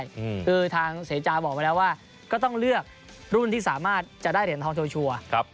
คือทางเสจาบอกไว้แล้วว่าก็ต้องเลือกรุ่นที่สามารถจะได้เหรียญทองทัวร์ชัวร์ครับ